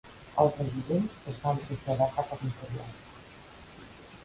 Els residents es van traslladar cap a l'interior.